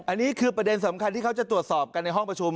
อันนี้คือประเด็นสำคัญที่เขาจะตรวจสอบกันในห้องประชุม